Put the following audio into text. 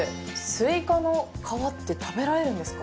スイカの皮って食べられるんですか？